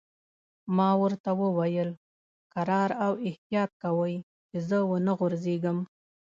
ما ورته وویل: کرار او احتیاط کوئ، چې زه و نه غورځېږم.